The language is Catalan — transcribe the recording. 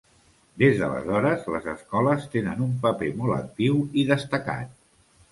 Des d'aleshores, les escoles tenen un paper molt actiu i destacat.